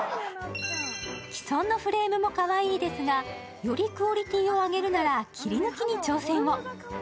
既存のフレームもかわいいですが、よりクオリティーを上げるなら切り抜きに挑戦を。